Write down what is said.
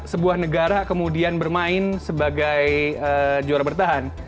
sebuah negara kemudian bermain sebagai juara bertahan